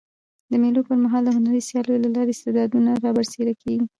د مېلو پر مهال د هنري سیالیو له لاري استعدادونه رابرسېره کېږي.